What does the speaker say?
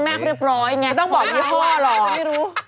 ไม่ต้องบอกฮ่องหรอก